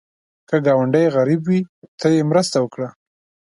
که ګاونډی غریب وي، ته یې مرسته وکړه